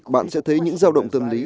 bạn sẽ thấy những giao động tâm lý